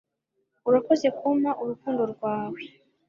urakoze kumpa urukundo rwawe